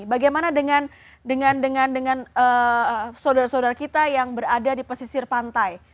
bagaimana dengan saudara saudara kita yang berada di pesisir pantai